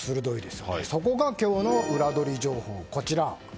そこが今日のウラどり情報。